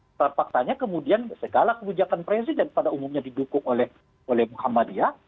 setelah faktanya kemudian segala kebijakan presiden pada umumnya didukung oleh muhammadiyah